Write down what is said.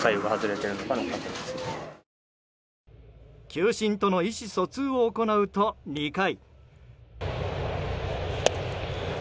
球審との意思疎通を行うと２回。